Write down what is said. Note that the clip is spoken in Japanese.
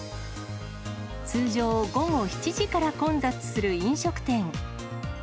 通常、午後７時から混雑する飲食店。